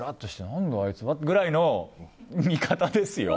何だあいつぐらいの見方ですよ。